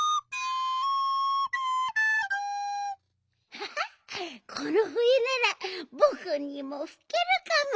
ハハッこのふえならぼくにもふけるかも！